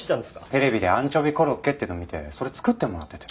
テレビでアンチョビコロッケっていうのを見てそれ作ってもらってて。